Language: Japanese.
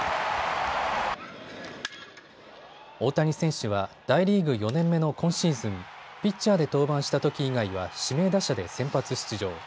大谷選手は大リーグ４年目の今シーズン、ピッチャーで登板したとき以外は指名打者で先発出場。